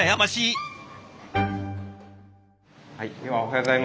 はい。